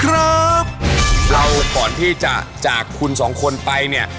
ครับเราก่อนที่จะจากคุณสองคนไปเนี่ย